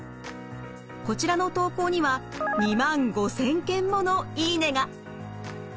こちらの投稿には２万５，０００件もの「いいね」が。